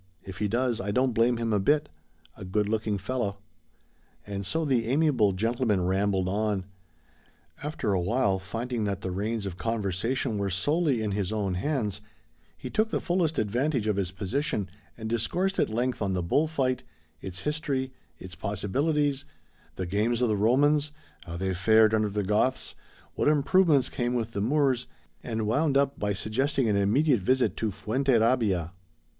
If he does I don't blame him a bit, a good looking young fellow " And so the amiable gentleman rambled on. After a while finding that the reins of conversation were solely in his own hands, he took the fullest advantage of his position and discoursed at length on the bull fight, its history, its possibilities, the games of the Romans, how they fared under the Goths, what improvements came with the Moors, and wound up by suggesting an immediate visit to Fuenterrabia.